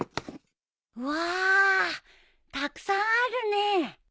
わあたくさんあるねえ。